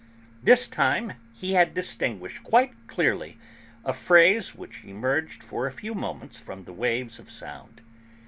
This time he had distinguished, quite clearly, a phrase which emerged for a few moments from the waves of sound.